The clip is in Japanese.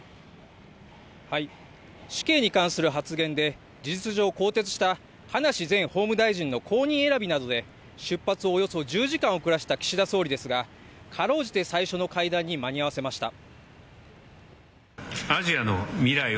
死刑に関する発言で事実上更迭した葉梨前法務大臣の後任選びなどで出発をおよそ１０時間遅らせた岸田総理ですが、かろうじて最初の会談に間に合わせました。